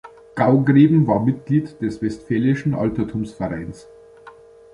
Gaugreben war Mitglied des westfälischen Altertumsvereins.